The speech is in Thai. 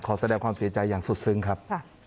แสดงความเสียใจอย่างสุดซึ้งครับ